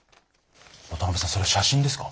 渡辺さんそれ写真ですか？